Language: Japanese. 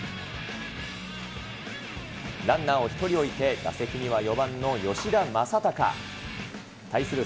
ランナーを１人置いて打席には４番の吉田正尚。対する